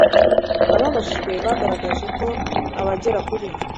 ababajijwe bagaragaje ko abagera kuri